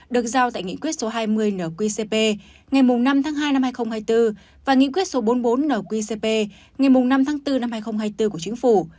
được giao tại nghị quyết số hai mươi nqcp ngày năm tháng hai năm hai nghìn hai mươi bốn và nghị quyết số bốn mươi bốn nqcp ngày năm tháng bốn năm hai nghìn hai mươi bốn của chính phủ